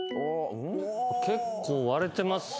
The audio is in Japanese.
結構割れてますね。